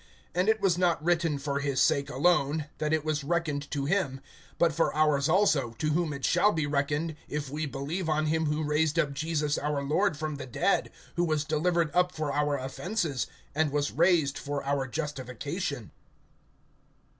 (23)And it was not written for his sake alone, that it was reckoned to him; (24)but for ours also, to whom it shall be reckoned, if we believe on him who raised up Jesus our Lord from the dead; (25)who was delivered up for our offenses, and was raised for our justification.